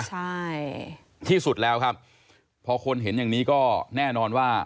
ใช่ที่สุดแล้วครับพอคนเห็นอย่างนี้ก็แน่นอนว่า